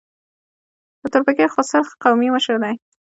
د تورپیکۍ خوسر قومي مشر دی.